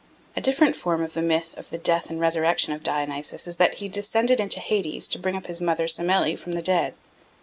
A different form of the myth of the death and resurrection of Dionysus is that he descended into Hades to bring up his mother Semele from the dead.